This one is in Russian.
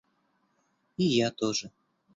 И я тоже.